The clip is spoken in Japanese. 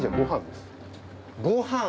ごはん。